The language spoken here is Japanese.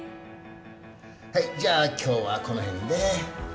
はいじゃあ今日はこの辺で。